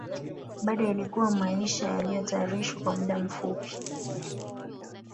Bado yalikuwa maisha yaliyotayarishwa kwa muda mfupi